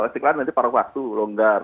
istiqlal nanti paruh waktu longgar